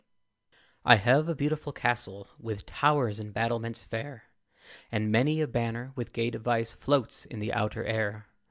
I have a beautiful castle, With towers and battlements fair; And many a banner, with gay device, Floats in the outer air.